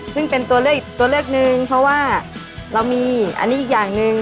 ซึ่งเป็นตัวเลือกอีกตัวเลือกหนึ่งเพราะว่าเรามีอันนี้อีกอย่างหนึ่ง